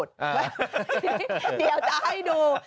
ดิฉันพูด